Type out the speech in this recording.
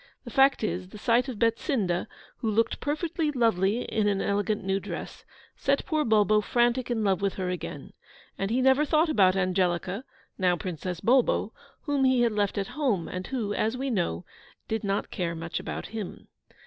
The fact is, the sight of Betsinda, who looked perfectly lovely in an elegant new dress, set poor Bulbo frantic in love with her again. And he never thought about Angelica, now Princess Bulbo, whom he had left at home, and who, as we know, did not care much about him.